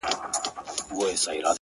اوس هغه بل كور كي اوسيږي كنه؛